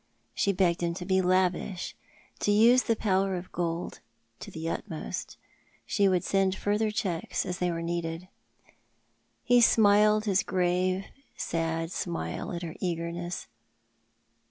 She begged him to be lavish — to use the power of gold to the utmost. She would send further cheques as they were needed. Death in Life. 301 He smiled liis grave sad smile at her eagerness.